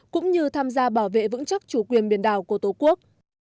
cũng như tham gia bảo vệ vững chắc chủ quyền biển đảo của tổ quốc